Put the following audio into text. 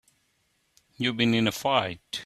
You been in a fight?